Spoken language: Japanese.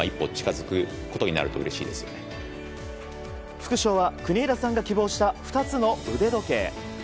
副賞は国枝さんが希望した２つの腕時計。